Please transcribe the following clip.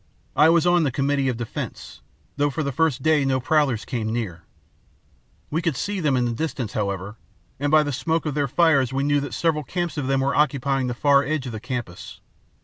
I was on the committee of defence, though for the first day no prowlers came near. We could see them in the distance, however, and by the smoke of their fires knew that several camps of them were occupying the far edge of the campus.